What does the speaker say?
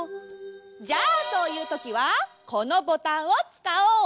じゃあそういうときはこのボタンをつかおう！